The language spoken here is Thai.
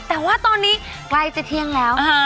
แต่ว่าตอนนี้ใกล้จะเที่ยงแล้ว